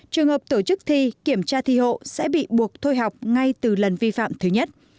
trường hợp tổ chức thi kiểm tra thi hộ sẽ bị buộc thôi học ngay từ lần vi phạm thứ nhất